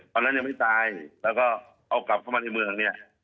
วันนั้นยังไม่ตายแล้วก็เขากลับเข้ามาในเมือง